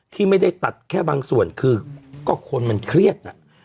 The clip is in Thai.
ที่ไม่ได้ตัดแค่บางส่วนคือก็คนมันเครียดน่ะ